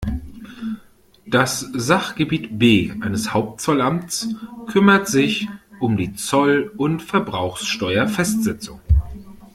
Das Sachgebiet B eines Hauptzollamts kümmert sich um die Zoll- und Verbrauchsteuerfestsetzung.